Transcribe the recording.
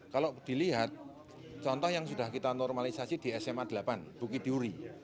kalau dilihat contoh yang sudah kita normalisasi di sma delapan bukit duri